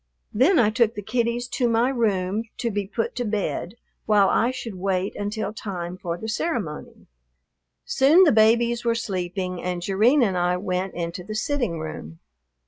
Then I took the kiddies to my room to be put to bed while I should wait until time for the ceremony. Soon the babies were sleeping, and Jerrine and I went into the sitting room.